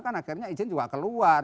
kan akhirnya izin juga keluar